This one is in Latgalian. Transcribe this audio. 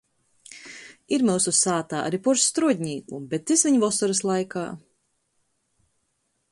Ir myusu sātā ari puors struodnīku, bet tys viņ vosorys laikā.